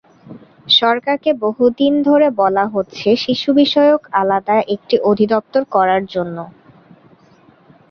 সরকারকে বহু দিন ধরে বলা হচ্ছে শিশুবিষয়ক আলাদা একটি অধিদপ্তর করার জন্য।